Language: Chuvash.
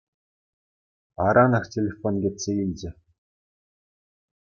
Аранах телефон кӗтсе илчӗ.